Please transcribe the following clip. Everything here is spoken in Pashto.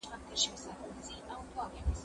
واښه د زهشوم له خوا راوړل کيږي!؟